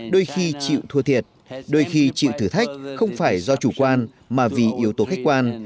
đôi khi chịu thua thiệt đôi khi chịu thử thách không phải do chủ quan mà vì yếu tố khách quan